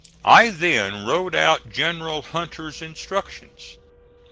I then wrote out General Hunter's instructions.